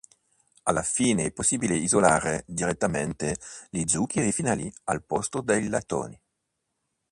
Alla fine è possibile isolare direttamente gli zuccheri finali al posto dei lattoni.